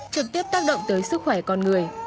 trực tiếp tác động tới sức khỏe con người